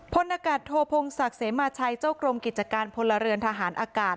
พลอากาศโทพงศักดิ์เสมาชัยเจ้ากรมกิจการพลเรือนทหารอากาศ